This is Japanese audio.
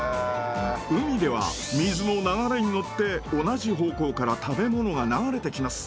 海では水の流れに乗って同じ方向から食べ物が流れてきます。